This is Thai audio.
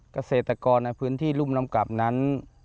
เกษตรกรในพื้นที่รุ่มน้ำกลับนั้น